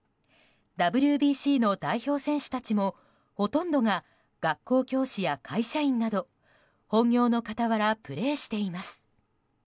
ＷＢＣの代表選手たちもほとんどが学校教師や会社員など本業の傍ら、プレーしています。